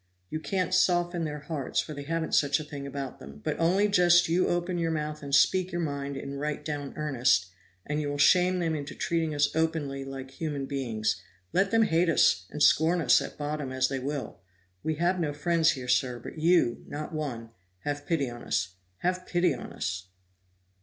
You can't soften their hearts, for they haven't such a thing about them; but only just you open your mouth and speak your mind in right down earnest, and you will shame them into treating us openly like human beings, let them hate us and scorn us at bottom as they will. We have no friend here, sir, but you, not one; have pity on us! have pity on us!"